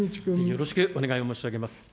よろしくお願いを申し上げます。